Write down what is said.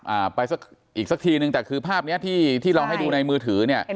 อ่าไปสักอีกสักทีนึงแต่คือภาพเนี้ยที่ที่เราให้ดูในมือถือเนี้ย